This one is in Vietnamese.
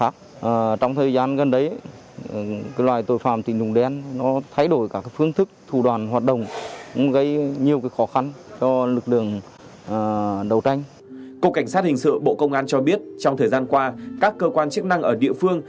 cục cảnh sát hình sự bộ công an cho biết trong thời gian qua các cơ quan chức năng ở địa phương